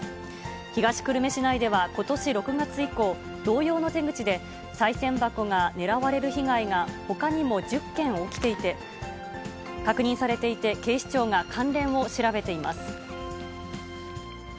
東久留米市内では、ことし６月以降、同様の手口で、さい銭箱が狙われる被害が、ほかにも１０件起きていて、確認されていて、警視庁が関連を調べています。